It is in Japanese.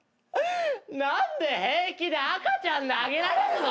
何で平気で赤ちゃん投げられるの？